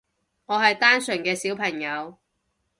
我係單純嘅小朋友